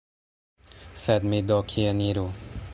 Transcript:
Sed mi do kien iru?